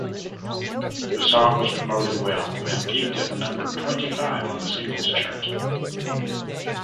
The song was promoted well and peaked at number twenty-five on the singles chart.